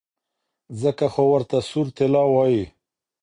ځکه خو ورته سور طلا وايي.